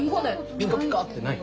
ピカピカってないの？